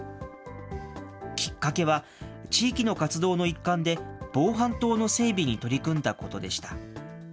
きっかけは、地域の活動の一環で防犯灯の整備に取り組んだことでした。